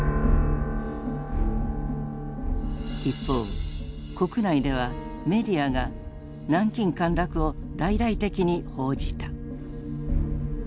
一方国内ではメディアが南京陥落を大々的に報じた。